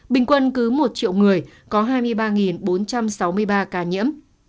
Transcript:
bình quân cứ một triệu người có hai mươi ba bốn trăm sáu mươi ba ca nhiễm